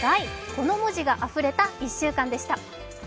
この文字があふれた１週間でした。